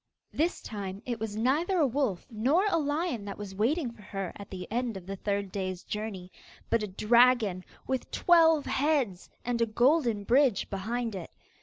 This time it was neither a wolf nor a lion that was waiting for her at the end of the third day's journey, but a dragon with twelve heads, and a golden bridge behind it.